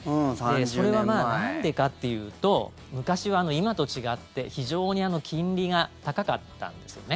それは、なんでかっていうと昔は今と違って非常に金利が高かったんですよね。